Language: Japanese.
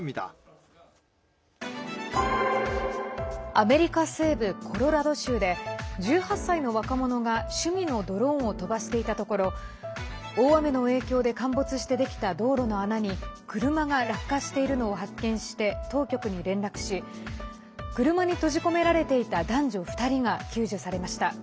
アメリカ西部コロラド州で１８歳の若者が趣味のドローンを飛ばしていたところ大雨の影響で陥没してできた道路の穴に車が落下しているのを発見して当局に連絡し車に閉じ込められていた男女２人が救助されました。